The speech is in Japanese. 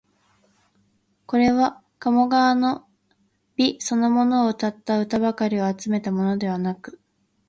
これは鴨川の美そのものをうたった歌ばかりを集めたものではなく、